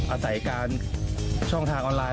อาศัยการช่องทางออนไลน